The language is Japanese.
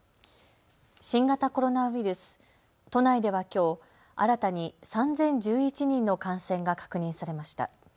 新型コロナウイルス、都内ではきょう新たに３０１１人の感染が確認されました。